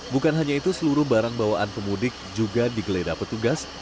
bukan hanya itu seluruh barang bawaan pemudik juga digeledah petugas